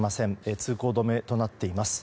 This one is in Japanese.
通行止めとなっています。